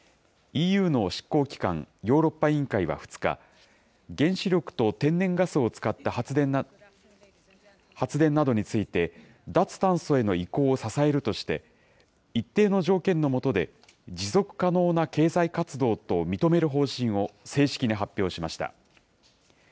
ＥＵの執行機関、ヨーロッパ委員会は２日、原子力と天然ガスを使った発電などについて、脱炭素への移行を支えるとして、一定の条件の下で、持続可能な経済活動と認める方針を正式に発表しました。